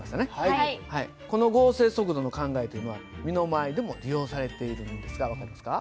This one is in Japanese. この合成速度の考えというのは身の回りでも利用されているんですが分かりますか？